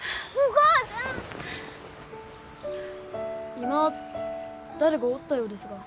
今誰かおったようですが。